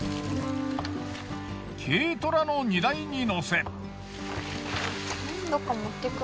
軽トラの荷台に載せ。